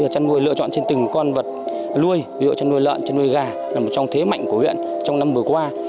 chăn nuôi lựa chọn trên từng con vật nuôi ví dụ chăn nuôi lợn chăn nuôi gà là một trong thế mạnh của huyện trong năm vừa qua